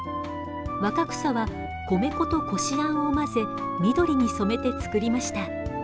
若草は米粉とこしあんを混ぜ緑に染めて作りました。